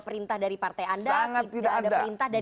perintah dari partai anda sangat tidak ada